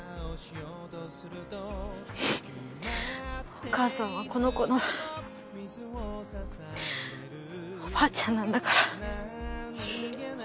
お母さんはこの子のおばあちゃんなんだから。